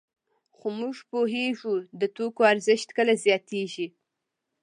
خو موږ پوهېږو د توکو ارزښت کله زیاتېږي